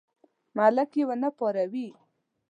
ملک یې ونه پاروي.